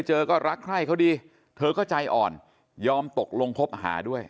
เอ้ยเธอก็ใจอ่อนยอมตกลงคบหาด้วย